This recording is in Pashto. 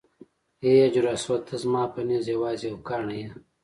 ای حجر اسوده ته زما په نزد یوازې یو کاڼی یې.